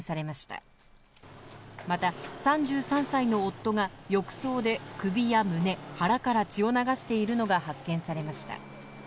また、３３歳の夫が、浴槽で首や胸、腹から血を流しているのが発見されました。